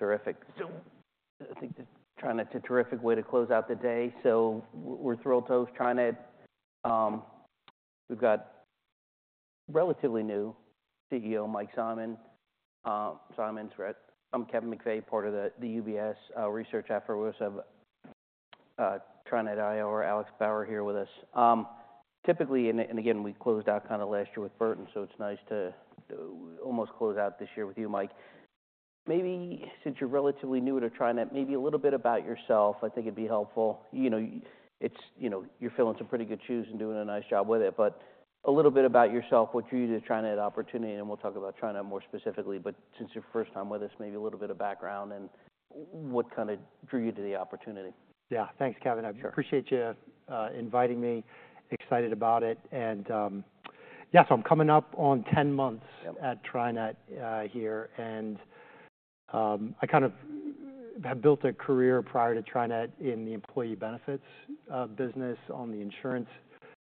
Terrific. Zoom. That's TriNet. It's a terrific way to close out the day, so we're TriNet. We've got relatively new CEO Mike Simonds. Simonds is right. I'm Kevin McVeigh, part of the UBS research efforts on TriNet. We have Alex Bauer here with us. Typically, and again we closed out kinda last year with Burton, so it's nice to almost close out this year with you, Mike. Maybe since you're relatively new to TriNet, maybe a little bit about yourself. I think it'd be helpful. You know, it's, you know, you're filling some pretty good shoes and doing a nice job with it. But a little bit about yourself, what drew you to TriNet opportunity, and then we'll talk about TriNet more specifically. But since your first time with us, maybe a little bit of background and what kind of drew you to the opportunity. Yeah. Thanks, Kevin. I appreciate you inviting me. Excited about it. And yeah. So I'm coming up on ten months. Yep. At TriNet here. I kind of have built a career prior to TriNet in the employee benefits business on the insurance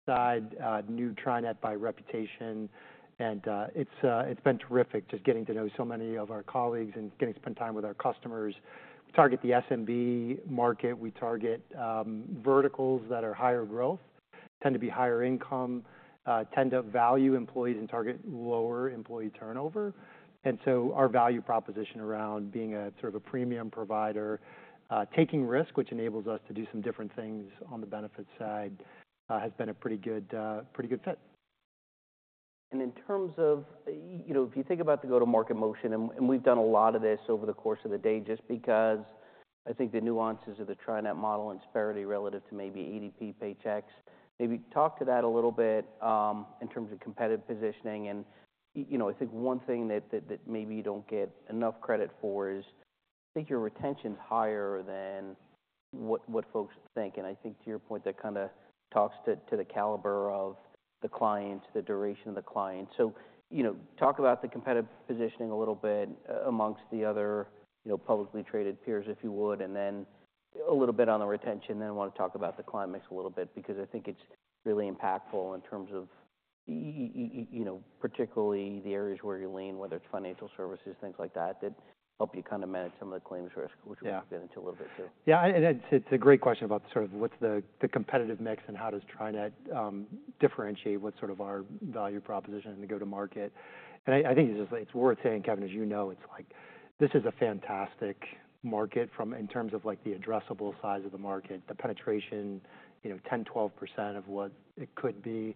side. I knew TriNet by reputation. It's been terrific just getting to know so many of our colleagues and getting to spend time with our customers. We target the SMB market. We target verticals that are higher growth, tend to be higher income, tend to value employees, and target lower employee turnover. So our value proposition around being a sort of a premium provider, taking risk, which enables us to do some different things on the benefits side, has been a pretty good fit. And in terms of, you know, if you think about the go-to-market motion, and we've done a lot of this over the course of the day just because I think the nuances of the TriNet model and Insperity relative to maybe ADP, Paychex, maybe talk to that a little bit, in terms of competitive positioning. And, you know, I think one thing that maybe you don't get enough credit for is I think your retention's higher than what folks think. And I think to your point, that kinda talks to the caliber of the client, the duration of the client. So, you know, talk about the competitive positioning a little bit amongst the other, you know, publicly traded peers, if you would. And then a little bit on the retention. Then I wanna talk about the client mix a little bit because I think it's really impactful in terms of you know, particularly the areas where you lean, whether it's financial services, things like that, that help you kinda manage some of the claims risk, which we'll. Yeah. Get into a little bit too. Yeah. And that's, it's a great question about sort of what's the competitive mix and how does TriNet differentiate what's sort of our value proposition in the go-to-market. I think it's just like it's worth saying, Kevin, as you know, it's like this is a fantastic market from in terms of like the addressable size of the market, the penetration, you know, 10%-12% of what it could be.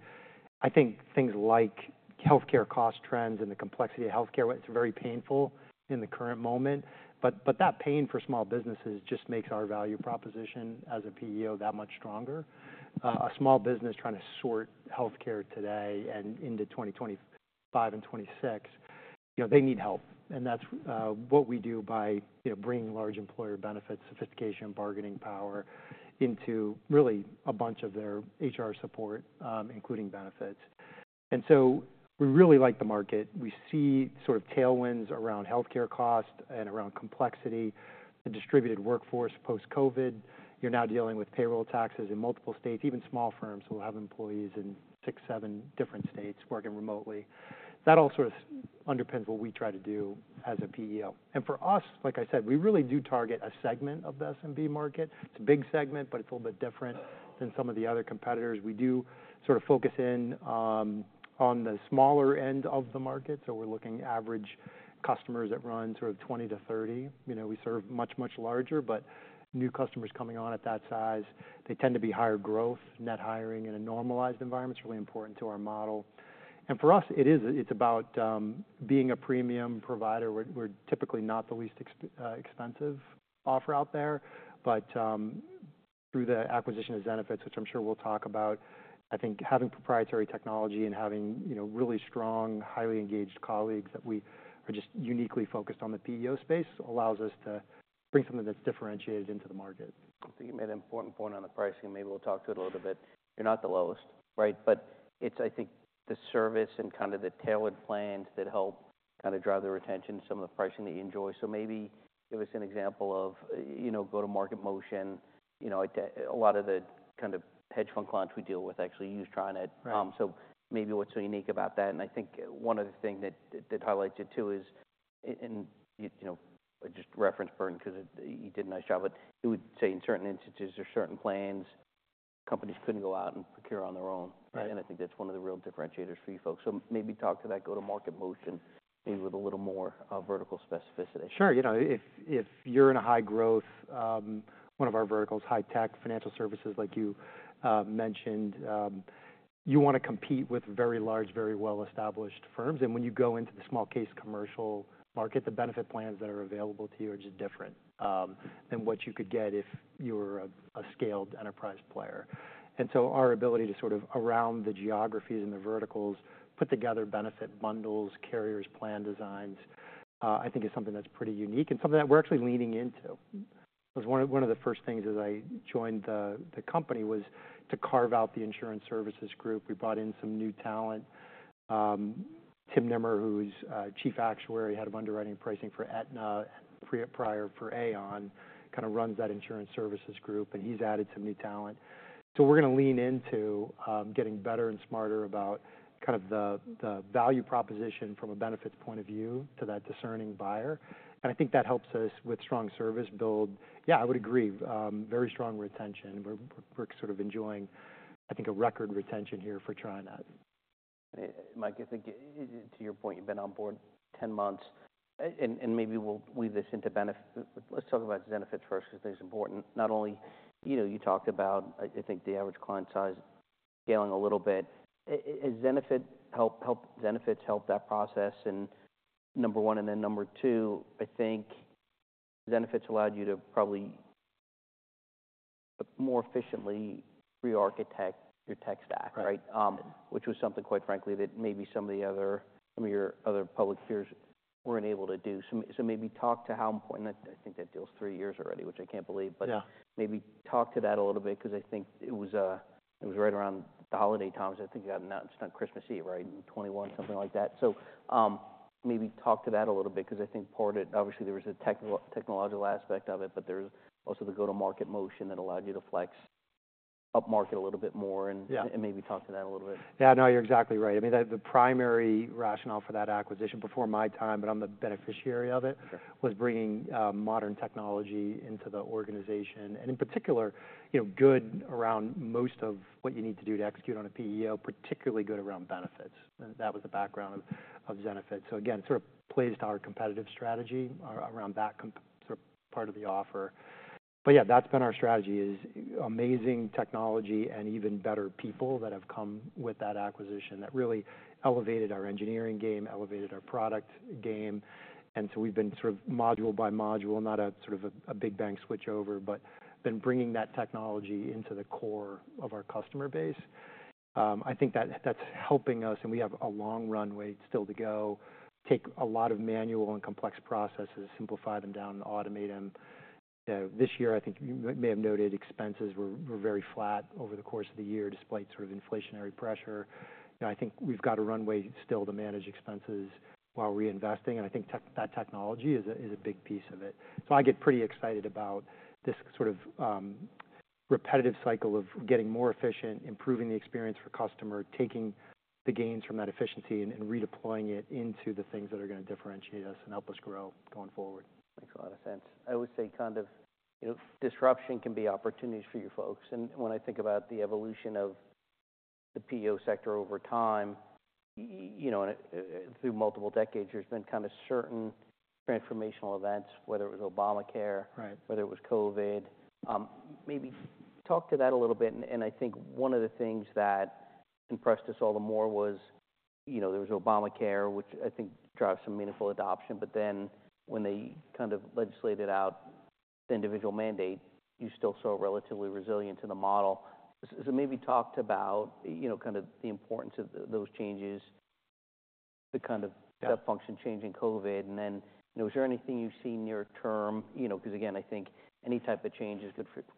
I think things like healthcare cost trends and the complexity of healthcare. It's very painful in the current moment. But that pain for small businesses just makes our value proposition as a PEO that much stronger. A small business trying to sort healthcare today and into 2025 and 2026, you know, they need help. And that's what we do by, you know, bringing large employer benefits, sophistication, bargaining power into really a bunch of their HR support, including benefits. And so we really like the market. We see sort of tailwinds around healthcare cost and around complexity, the distributed workforce post-COVID. You're now dealing with payroll taxes in multiple states. Even small firms will have employees in six, seven different states working remotely. That all sort of underpins what we try to do as a PEO. And for us, like I said, we really do target a segment of the SMB market. It's a big segment, but it's a little bit different than some of the other competitors. We do sort of focus in on the smaller end of the market. So we're looking at average customers that run sort of 20-30. You know, we serve much, much larger. But new customers coming on at that size, they tend to be higher growth. Net hiring in a normalized environment's really important to our model. And for us, it is about being a premium provider. We're typically not the least expensive offer out there. But through the acquisition of Zenefits, which I'm sure we'll talk about, I think having proprietary technology and having, you know, really strong, highly engaged colleagues that we are just uniquely focused on the PEO space allows us to bring something that's differentiated into the market. I think you made an important point on the pricing. Maybe we'll talk to it a little bit. You're not the lowest, right? But it's, I think, the service and kinda the tailored plans that help kinda drive the retention, some of the pricing that you enjoy. So maybe give us an example of, you know, go-to-market motion. You know, I deal with a lot of the kind of hedge fund clients we deal with actually use TriNet. Right. So maybe what's so unique about that, and I think one other thing that highlights it too is and you know, I just referenced Burton 'cause it, you did a nice job. But you would say in certain instances or certain plans, companies couldn't go out and procure on their own. Right. And I think that's one of the real differentiators for you folks. So maybe talk to that go-to-market motion, maybe with a little more vertical specificity. Sure. You know, if you're in a high growth, one of our verticals, high-tech financial services like you mentioned, you wanna compete with very large, very well-established firms. And when you go into the small-case commercial market, the benefit plans that are available to you are just different than what you could get if you were a scaled enterprise player. And so our ability to sort of around the geographies and the verticals put together benefit bundles, carriers, plan designs, I think is something that's pretty unique and something that we're actually leaning into. It was one of the first things as I joined the company was to carve out the insurance services group. We brought in some new talent. Tim Nimmer, who is Chief Actuary, head of underwriting pricing for Aetna and prior for Aon, kinda runs that insurance services group. And he's added some new talent. So we're gonna lean into getting better and smarter about kind of the value proposition from a benefits point of view to that discerning buyer. And I think that helps us with strong service build. Yeah, I would agree. Very strong retention. We're sort of enjoying, I think, a record retention here for TriNet. Mike, I think, to your point, you've been on board 10 months. And maybe we'll weave this into benefits. Let's talk about Zenefits first 'cause I think it's important. Not only, you know, you talked about, I think, the average client size scaling a little bit. As Zenefits help Zenefits help that process in number one. And then number two, I think Zenefits allowed you to probably more efficiently re-architect your tech stack, right? Right. which was something, quite frankly, that maybe some of your other public peers weren't able to do. So maybe talk to how important that. I think that deal's three years already, which I can't believe. Yeah. But maybe talk to that a little bit 'cause I think it was right around the holiday times. I think it happened out in just on Christmas Eve, right? In 2021, something like that. So, maybe talk to that a little bit 'cause I think part of it obviously, there was the technical, technological aspect of it, but there was also the go-to-market motion that allowed you to flex up market a little bit more. And. Yeah. Maybe talk to that a little bit. Yeah. No, you're exactly right. I mean, the primary rationale for that acquisition before my time, but I'm the beneficiary of it. Sure. Was bringing modern technology into the organization. And in particular, you know, good around most of what you need to do to execute on a PEO, particularly good around benefits. And that was the background of Zenefits. So again, it sort of plays to our competitive strategy around that comp sort of part of the offer. But yeah, that's been our strategy is amazing technology and even better people that have come with that acquisition that really elevated our engineering game, elevated our product game. And so we've been sort of module by module, not a sort of a big bang switchover, but been bringing that technology into the core of our customer base. I think that's helping us. And we have a long runway still to go, take a lot of manual and complex processes, simplify them down, and automate them. You know, this year, I think you may have noted expenses were very flat over the course of the year despite sort of inflationary pressure. You know, I think we've got a runway still to manage expenses while reinvesting. And I think that technology is a big piece of it. So I get pretty excited about this sort of repetitive cycle of getting more efficient, improving the experience for customer, taking the gains from that efficiency, and redeploying it into the things that are gonna differentiate us and help us grow going forward. Makes a lot of sense. I always say kind of, you know, disruption can be opportunities for your folks. And when I think about the evolution of the PEO sector over time, you know, and, through multiple decades, there's been kinda certain transformational events, whether it was Obamacare. Right. Whether it was COVID. Maybe talk to that a little bit. I think one of the things that impressed us all the more was, you know, there was Obamacare, which I think drives some meaningful adoption, but then when they kind of legislated out the individual mandate, you still saw relatively resilient to the model. So maybe talk about, you know, kinda the importance of those changes, the kind of. Yeah. Sub-function change in COVID. And then, you know, is there anything you see near term? You know, 'cause again, I think any type of change is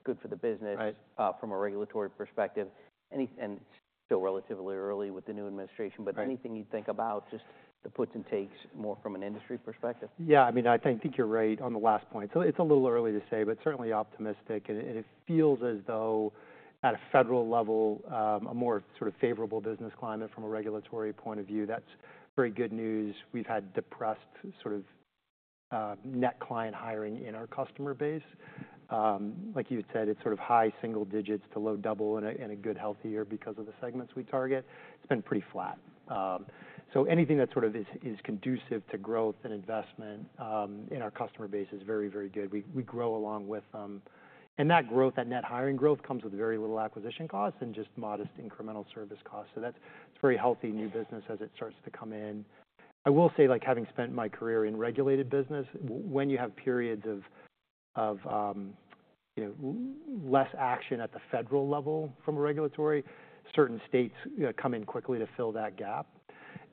good for the business. Right. From a regulatory perspective, and it's still relatively early with the new administration. Right. Anything you'd think about just the puts and takes more from an industry perspective? Yeah. I mean, I think, I think you're right on the last point. So it's a little early to say, but certainly optimistic. And it, it feels as though at a federal level, a more sort of favorable business climate from a regulatory point of view, that's very good news. We've had depressed sort of, net client hiring in our customer base. Like you had said, it's sort of high single digits to low double in a good, healthy year because of the segments we target. It's been pretty flat. So anything that sort of is, is conducive to growth and investment in our customer base is very, very good. We, we grow along with them. And that growth, that net hiring growth, comes with very little acquisition costs and just modest incremental service costs. So that's, it's very healthy new business as it starts to come in. I will say, like having spent my career in regulated business, when you have periods of, you know, less action at the federal level from a regulatory, certain states come in quickly to fill that gap.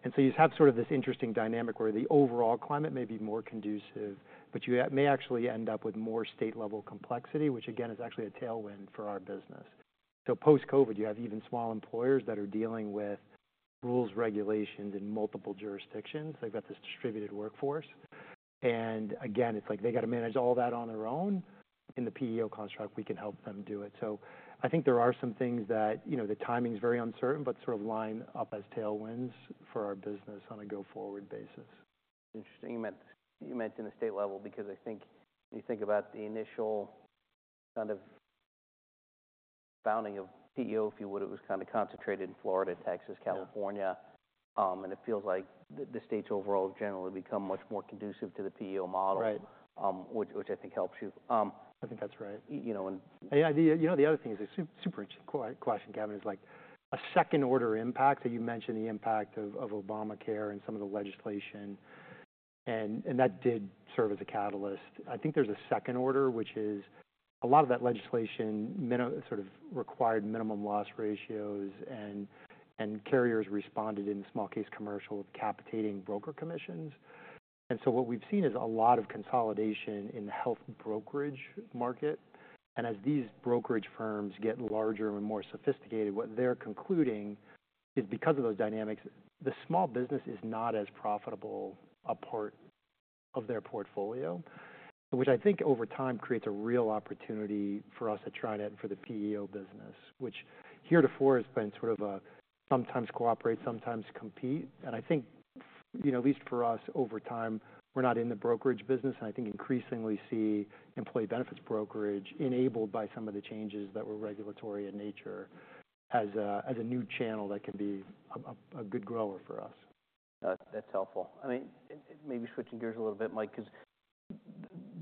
And so you just have sort of this interesting dynamic where the overall climate may be more conducive, but you may actually end up with more state-level complexity, which again is actually a tailwind for our business. So post-COVID, you have even small employers that are dealing with rules, regulations in multiple jurisdictions. They've got this distributed workforce. And again, it's like they gotta manage all that on their own. In the PEO construct, we can help them do it. So I think there are some things that, you know, the timing's very uncertain, but sort of line up as tailwinds for our business on a go-forward basis. Interesting. You mentioned you mentioned the state level because I think when you think about the initial kind of founding of PEO, if you would, it was kinda concentrated in Florida, Texas, California, and it feels like the states overall generally become much more conducive to the PEO model. Right. which I think helps you. I think that's right. You know, and. Yeah. The, you know, the other thing is a super interesting question, Kevin, is like a second-order impact. So you mentioned the impact of Obamacare and some of the legislation. And that did serve as a catalyst. I think there's a second order, which is a lot of that legislation meant sort of required minimum loss ratios. And carriers responded in the small group commercial with capping broker commissions. And so what we've seen is a lot of consolidation in the health brokerage market. And as these brokerage firms get larger and more sophisticated, what they're concluding is because of those dynamics, the small business is not as profitable a part of their portfolio, which I think over time creates a real opportunity for us at TriNet and for the PEO business, which heretofore has been sort of a sometimes co-op, sometimes compete. I think, you know, at least for us over time, we're not in the brokerage business. I think increasingly see employee benefits brokerage enabled by some of the changes that were regulatory in nature as a good grower for us. That's helpful. I mean, and maybe switching gears a little bit, Mike, 'cause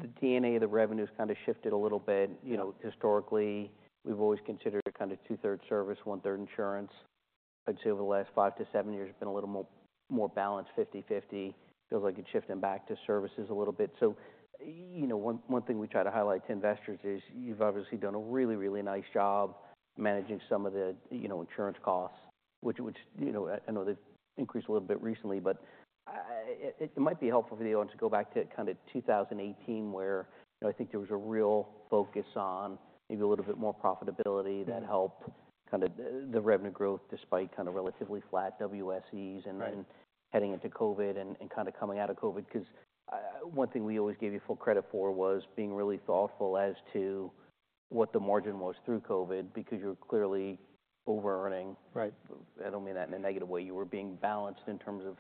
the DNA of the revenue's kinda shifted a little bit. You know, historically, we've always considered it kinda two-thirds service, one-third insurance. I'd say over the last five to seven years, it's been a little more balanced, 50/50. Feels like it's shifting back to services a little bit. So, you know, one thing we try to highlight to investors is you've obviously done a really, really nice job managing some of the, you know, insurance costs, which, you know, I know they've increased a little bit recently. But it might be helpful for the audience to go back to kinda 2018 where, you know, I think there was a real focus on maybe a little bit more profitability that helped kinda the revenue growth despite kinda relatively flat WSEs. Right. Heading into COVID and kinda coming out of COVID, one thing we always gave you full credit for was being really thoughtful as to what the margin was through COVID because you were clearly over-earning. Right. I don't mean that in a negative way. You were being balanced in terms of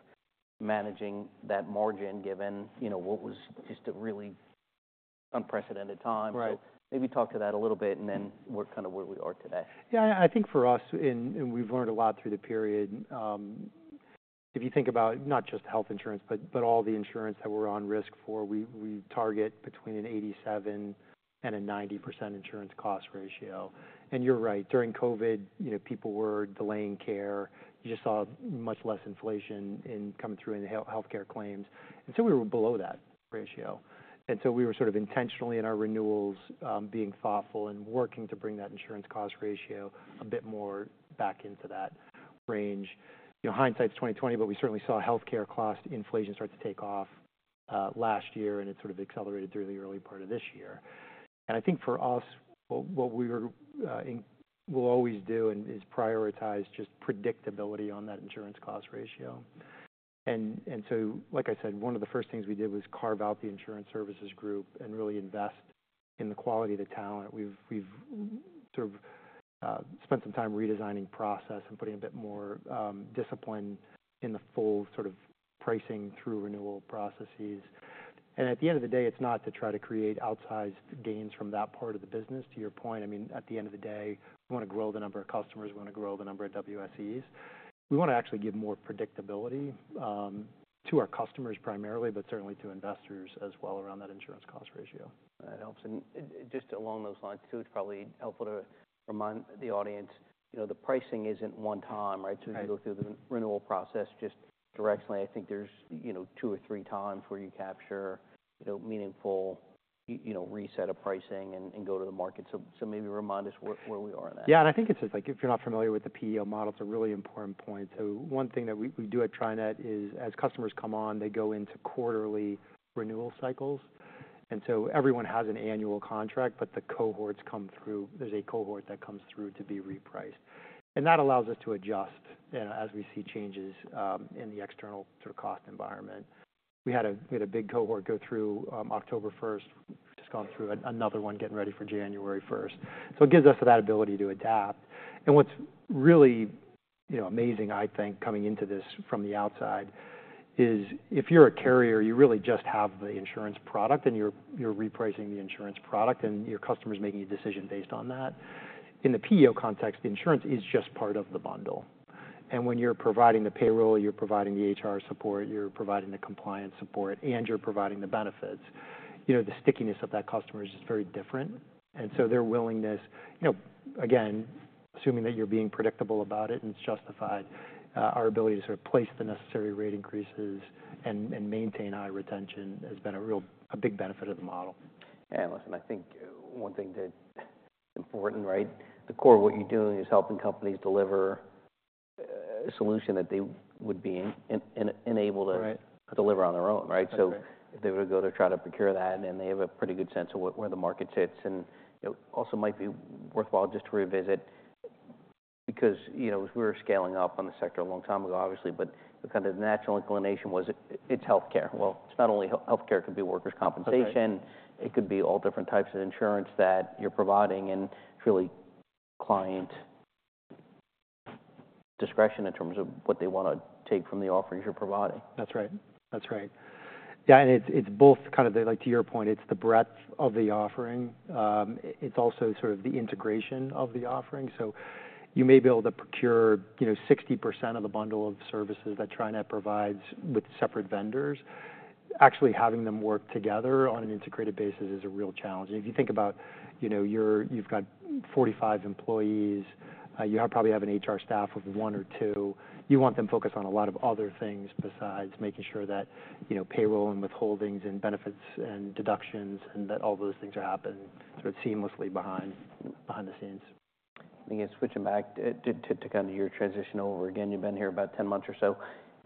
managing that margin given, you know, what was just a really unprecedented time. Right. So maybe talk to that a little bit and then kind of where we are today. Yeah. I think for us, we've learned a lot through the period. If you think about not just health insurance, but all the insurance that we're on risk for, we target between an 87% and a 90% insurance cost ratio. And you're right. During COVID, you know, people were delaying care. You just saw much less inflation coming through in the healthcare claims. And so we were below that ratio. And so we were sort of intentionally in our renewals, being thoughtful and working to bring that insurance cost ratio a bit more back into that range. You know, hindsight's 20/20, but we certainly saw healthcare cost inflation start to take off last year, and it sort of accelerated through the early part of this year. I think for us, what we will always do is prioritize just predictability on that insurance cost ratio. So, like I said, one of the first things we did was carve out the insurance services group and really invest in the quality of the talent. We've sort of spent some time redesigning process and putting a bit more discipline in the full sort of pricing through renewal processes. At the end of the day, it's not to try to create outsized gains from that part of the business. To your point, I mean, at the end of the day, we wanna grow the number of customers. We wanna grow the number of WSEs. We wanna actually give more predictability to our customers primarily, but certainly to investors as well around that insurance cost ratio. That helps, and just along those lines too, it's probably helpful to remind the audience, you know, the pricing isn't one time, right? Yeah. So if you go through the renewal process just directly, I think there's, you know, two or three times where you capture, you know, meaningful, you know, reset of pricing and go to the market. So maybe remind us where we are in that. Yeah. And I think it's just like if you're not familiar with the PEO model, it's a really important point. So one thing that we do at TriNet is as customers come on, they go into quarterly renewal cycles. And so everyone has an annual contract, but the cohorts come through. There's a cohort that comes through to be repriced. And that allows us to adjust, you know, as we see changes in the external sort of cost environment. We had a big cohort go through October 1st. We've just gone through another one getting ready for January 1st. So it gives us that ability to adapt. And what's really, you know, amazing, I think, coming into this from the outside is if you're a carrier, you really just have the insurance product, and you're repricing the insurance product, and your customer's making a decision based on that. In the PEO context, the insurance is just part of the bundle. And when you're providing the payroll, you're providing the HR support, you're providing the compliance support, and you're providing the benefits, you know, the stickiness of that customer is just very different. And so their willingness, you know, again, assuming that you're being predictable about it and it's justified, our ability to sort of place the necessary rate increases and maintain high retention has been a real big benefit of the model. Yeah. Listen, I think one thing that's important, right? The core of what you're doing is helping companies deliver a solution that they would be unable to. Right. Deliver on their own, right? Exactly. So if they were to go to try to procure that, and they have a pretty good sense of what, where the market sits, and, you know, also might be worthwhile just to revisit because, you know, as we were scaling up on the sector a long time ago, obviously, but the kind of natural inclination was it's healthcare. Well, it's not only healthcare, could be workers' compensation. Right. It could be all different types of insurance that you're providing. It's really client discretion in terms of what they wanna take from the offerings you're providing. That's right. That's right. Yeah. And it's, it's both kind of the like to your point, it's the breadth of the offering. It's also sort of the integration of the offering. So you may be able to procure, you know, 60% of the bundle of services that TriNet provides with separate vendors. Actually having them work together on an integrated basis is a real challenge. And if you think about, you know, you've got 45 employees, you probably have an HR staff of one or two. You want them focused on a lot of other things besides making sure that, you know, payroll and withholdings and benefits and deductions and that all those things are happening sort of seamlessly behind the scenes. Again, switching back to kinda your transition over again. You've been here about 10 months or so.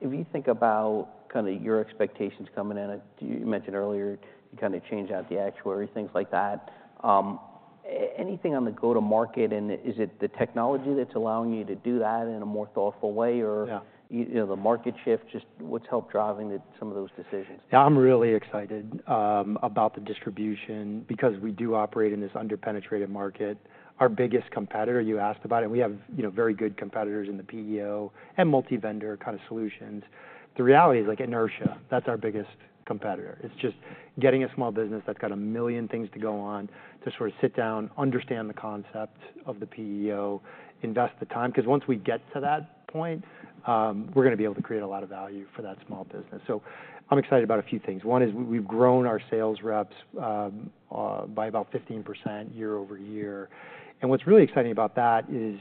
If you think about kinda your expectations coming in, you mentioned earlier you kinda change out the actuary, things like that. Anything on the go-to-market? And is it the technology that's allowing you to do that in a more thoughtful way or? Yeah. You know, the market shift? Just what's helped drive some of those decisions? Yeah. I'm really excited about the distribution because we do operate in this underpenetrated market. Our biggest competitor, you asked about it, and we have, you know, very good competitors in the PEO and multi-vendor kinda solutions. The reality is like inertia. That's our biggest competitor. It's just getting a small business that's got a million things to go on to sort of sit down, understand the concept of the PEO, invest the time. 'Cause once we get to that point, we're gonna be able to create a lot of value for that small business. So I'm excited about a few things. One is we've grown our sales reps by about 15% year over year. And what's really exciting about that is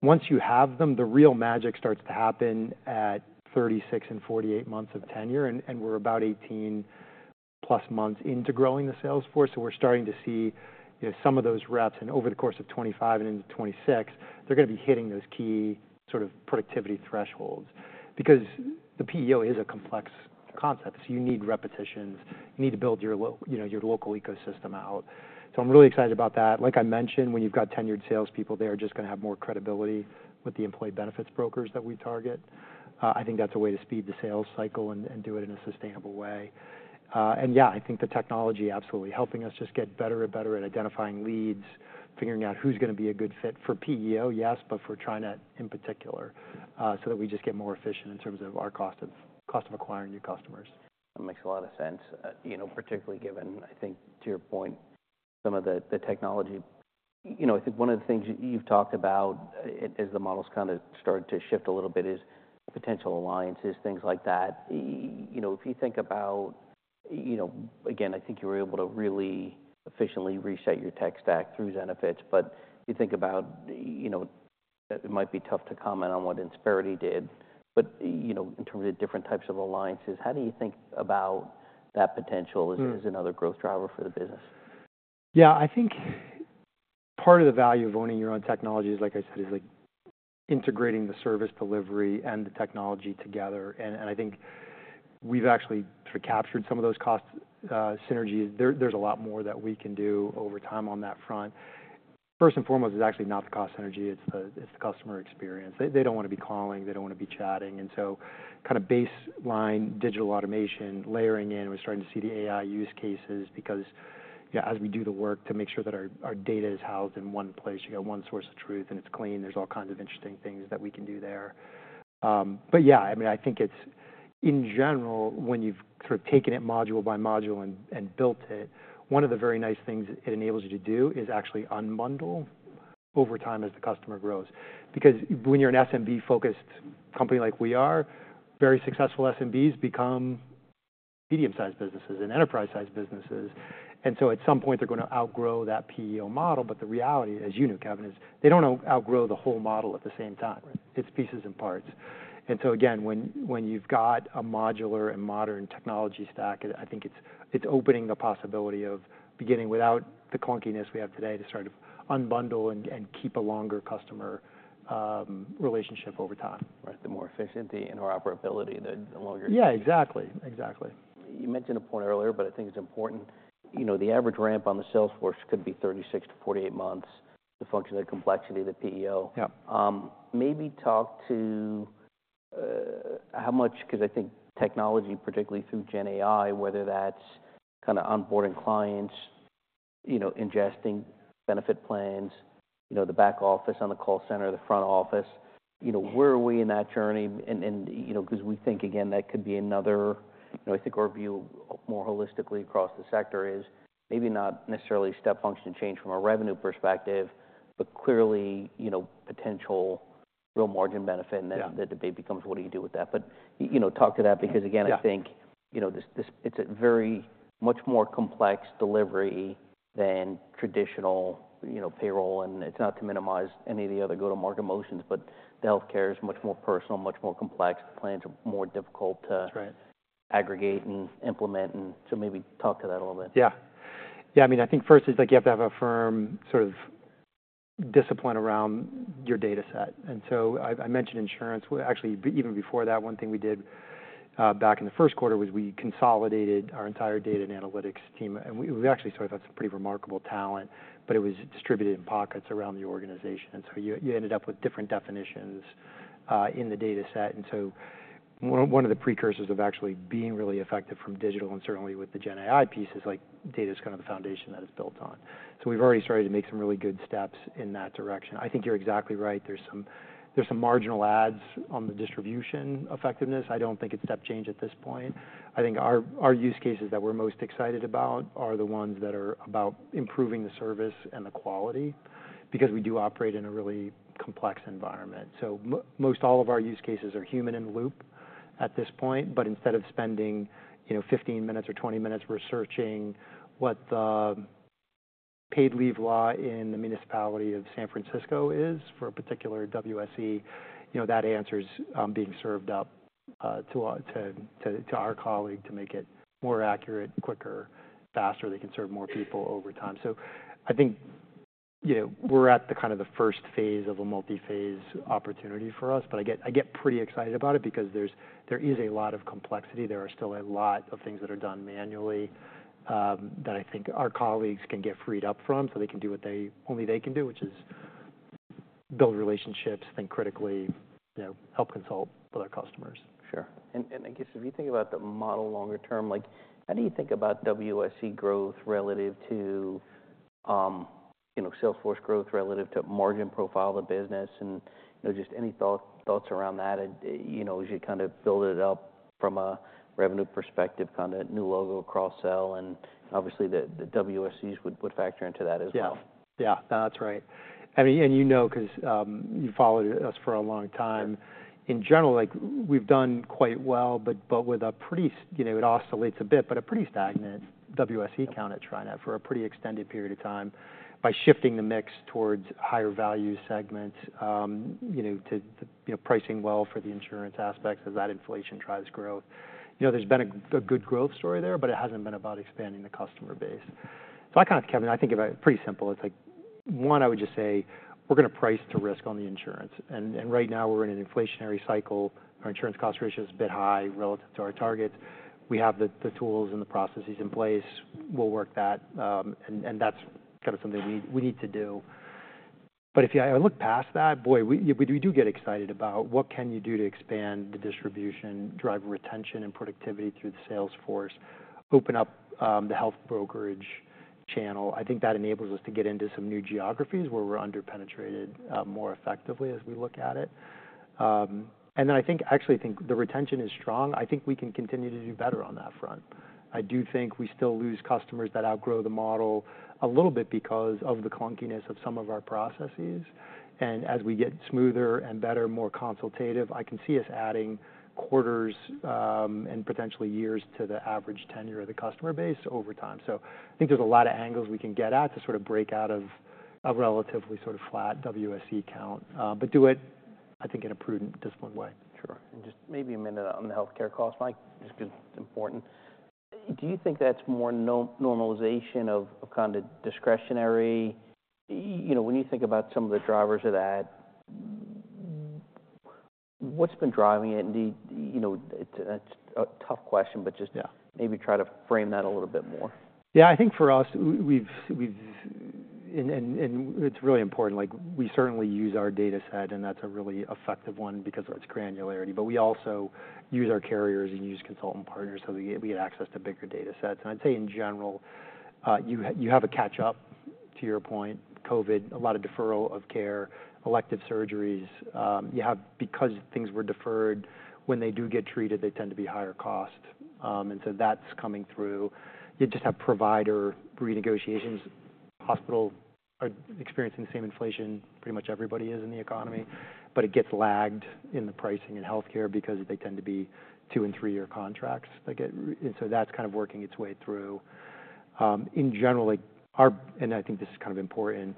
once you have them, the real magic starts to happen at 36 and 48 months of tenure. And we're about 18-plus months into growing the sales force. We're starting to see, you know, some of those reps. And over the course of 2025 and into 2026, they're gonna be hitting those key sort of productivity thresholds because the PEO is a complex concept. So you need repetitions. You need to build your, you know, your local ecosystem out. So I'm really excited about that. Like I mentioned, when you've got tenured salespeople, they're just gonna have more credibility with the employee benefits brokers that we target. I think that's a way to speed the sales cycle and do it in a sustainable way. And yeah, I think the technology absolutely helping us just get better and better at identifying leads, figuring out who's gonna be a good fit for PEO, yes, but for TriNet in particular, so that we just get more efficient in terms of our cost of acquiring new customers. That makes a lot of sense, you know, particularly given, I think, to your point, some of the technology. You know, I think one of the things you've talked about, as the model's kinda started to shift a little bit is potential alliances, things like that. You know, if you think about, you know, again, I think you were able to really efficiently reset your tech stack through Zenefits. But if you think about, you know, it might be tough to comment on what Insperity did. But, you know, in terms of different types of alliances, how do you think about that potential as. Yeah. As another growth driver for the business? Yeah. I think part of the value of owning your own technology is, like I said, is like integrating the service delivery and the technology together. And I think we've actually sort of captured some of those cost synergies. There's a lot more that we can do over time on that front. First and foremost, it's actually not the cost synergy. It's the customer experience. They don't wanna be calling. They don't wanna be chatting. And so kinda baseline digital automation layering in. We're starting to see the AI use cases because, you know, as we do the work to make sure that our data is housed in one place, you got one source of truth, and it's clean. There's all kinds of interesting things that we can do there. But yeah, I mean, I think it's in general, when you've sort of taken it module by module and built it, one of the very nice things it enables you to do is actually unbundle over time as the customer grows. Because when you're an SMB-focused company like we are, very successful SMBs become medium-sized businesses and enterprise-sized businesses. And so at some point, they're gonna outgrow that PEO model. But the reality, as you knew, Kevin, is they don't know how to outgrow the whole model at the same time. Right. It's pieces and parts. And so again, when you've got a modular and modern technology stack, it, I think, it's opening the possibility of beginning without the clunkiness we have today to sort of unbundle and keep a longer customer relationship over time. Right. The more efficient, the interoperability, the longer. Yeah. Exactly. Exactly. You mentioned a point earlier, but I think it's important. You know, the average ramp on the sales force could be 36-48 months to function the complexity of the PEO. Yeah. Maybe talk to how much 'cause I think technology, particularly through GenAI, whether that's kinda onboarding clients, you know, ingesting benefit plans, you know, the back office on the call center, the front office, you know, where are we in that journey? And, and, you know, 'cause we think, again, that could be another, you know, I think our view, more holistically across the sector is maybe not necessarily step function change from a revenue perspective, but clearly, you know, potential real margin benefit. Yeah. And then, the debate becomes what do you do with that? But you know, talk to that because again. Yeah. I think, you know, this, it's a very much more complex delivery than traditional, you know, payroll. And it's not to minimize any of the other go-to-market motions, but the healthcare is much more personal, much more complex. The plans are more difficult to. That's right. Aggregate and implement. And so maybe talk to that a little bit. Yeah. I mean, I think first is like you have to have a firm sort of discipline around your data set. And so I mentioned insurance. Well, actually, even before that, one thing we did back in the first quarter was we consolidated our entire data and analytics team. And we actually sort of had some pretty remarkable talent, but it was distributed in pockets around the organization. And so you ended up with different definitions in the data set. And so one of the precursors of actually being really effective from digital and certainly with the GenAI piece is like data's kinda the foundation that it's built on. So we've already started to make some really good steps in that direction. I think you're exactly right. There's some marginal adds on the distribution effectiveness. I don't think it's step change at this point. I think our use cases that we're most excited about are the ones that are about improving the service and the quality because we do operate in a really complex environment. So most all of our use cases are human-in-the-loop at this point. But instead of spending, you know, 15 minutes or 20 minutes researching what the paid leave law in the municipality of San Francisco is for a particular WSE, you know, that answer's being served up to our colleague to make it more accurate, quicker, faster. They can serve more people over time. So I think, you know, we're at the kind of first phase of a multi-phase opportunity for us. But I get pretty excited about it because there is a lot of complexity. There are still a lot of things that are done manually, that I think our colleagues can get freed up from so they can do what they only they can do, which is build relationships, think critically, you know, help consult with our customers. Sure. And I guess if you think about the model longer term, like how do you think about WSE growth relative to, you know, sales force growth relative to margin profile of the business? And, you know, just any thought, thoughts around that? And, you know, as you kinda build it up from a revenue perspective, kinda new logo, cross-sell, and obviously the WSEs would factor into that as well. Yeah. Yeah. That's right. I mean, and you know 'cause you followed us for a long time. In general, like we've done quite well, but with a pretty stagnant WSE count at TriNet for a pretty extended period of time by shifting the mix towards higher value segments, you know, to the, you know, pricing well for the insurance aspects as that inflation drives growth. You know, there's been a good growth story there, but it hasn't been about expanding the customer base. So I kind of, Kevin, I think about it pretty simple. It's like one. I would just say we're gonna price to risk on the insurance. And right now we're in an inflationary cycle. Our insurance cost ratio is a bit high relative to our targets. We have the tools and the processes in place. We'll work that, and that's kinda something we need to do. But if I look past that, boy, you know, we do get excited about what we can do to expand the distribution, drive retention and productivity through the sales force, open up the health brokerage channel. I think that enables us to get into some new geographies where we're underpenetrated, more effectively as we look at it. And then I think, actually, the retention is strong. I think we can continue to do better on that front. I do think we still lose customers that outgrow the model a little bit because of the clunkiness of some of our processes. As we get smoother and better, more consultative, I can see us adding quarters, and potentially years to the average tenure of the customer base over time, so I think there's a lot of angles we can get at to sort of break out of a relatively sort of flat WSE count, but do it, I think, in a prudent, disciplined way. Sure. And just maybe a minute on the healthcare cost, Mike, just 'cause it's important. Do you think that's more non-normalization of kinda discretionary? You know, when you think about some of the drivers of that, what's been driving it? And do you know, it's a tough question, but just. Yeah. Maybe try to frame that a little bit more. Yeah. I think for us, we've, and it's really important. Like we certainly use our data set, and that's a really effective one because of its granularity. But we also use our carriers and use consultant partners so that we get access to bigger data sets. And I'd say in general, you have a catch-up to your point, COVID, a lot of deferral of care, elective surgeries because things were deferred. When they do get treated, they tend to be higher cost, and so that's coming through. You just have provider renegotiations. Hospitals are experiencing the same inflation. Pretty much everybody is in the economy. But it gets lagged in the pricing in healthcare because they tend to be two and three-year contracts that get renewed, and so that's kind of working its way through. In general, like ours, and I think this is kind of important.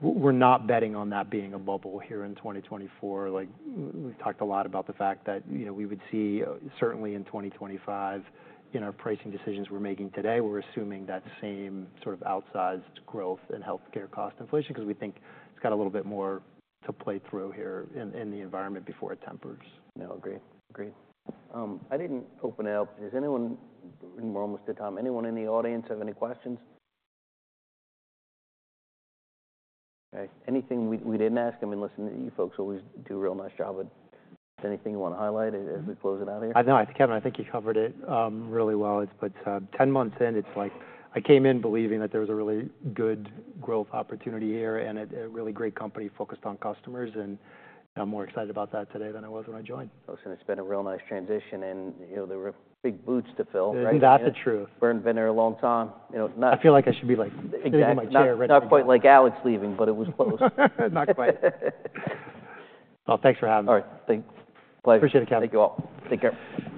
We're not betting on that being a bubble here in 2024. Like we've talked a lot about the fact that, you know, we would see, certainly in 2025, in our pricing decisions we're making today, we're assuming that same sort of outsized growth in healthcare cost inflation 'cause we think it's got a little bit more to play through here in the environment before it tempers. No. Agree. Agree. I didn't open it up. Has anyone? We're almost at time. Anyone in the audience have any questions? Okay. Anything we didn't ask? I mean, listen, you folks always do a real nice job with anything you wanna highlight as we close it out here. I know. Kevin, I think you covered it really well. It's but 10 months in, it's like I came in believing that there was a really good growth opportunity here and a really great company focused on customers, and I'm more excited about that today than I was when I joined. Oh, so it's been a real nice transition, and, you know, there were big boots to fill, right? That's the truth. We've been there a long time. You know, not. I feel like I should be like exactly. Leaving my chair right now. Not quite like Alex leaving, but it was close. Not quite. Thanks for having me. All right. Thanks. Pleasure. Appreciate it, Kevin. Thank you all. Take care. Thanks.